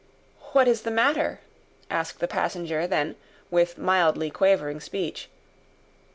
"What is the matter?" asked the passenger, then, with mildly quavering speech.